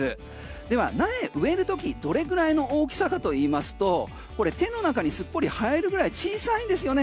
では、苗植える時どれぐらいの大きさかといいますと、これ手の中にすっぽり入るぐらい小さいんですよね。